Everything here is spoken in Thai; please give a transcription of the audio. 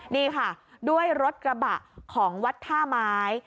นี่ค่ะด้วยรถกระบะของวัดท่าไม้